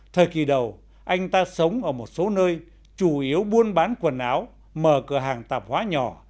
thời kỳ đầu anh ta sống ở một số nơi chủ yếu buôn bán quần áo mở cửa hàng tạp hóa nhỏ